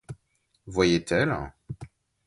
Voyait-elle?